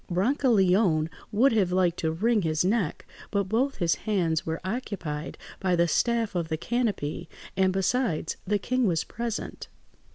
Brancaleone would have liked to wring his neck, but both his hands were occupied by the staff of the canopy; and besides, the king was present.